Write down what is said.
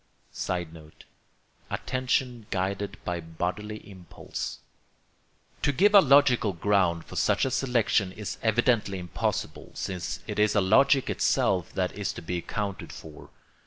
[Sidenote: Attention guided by bodily impulse.] To give a logical ground for such a selection is evidently impossible, since it is logic itself that is to be accounted for.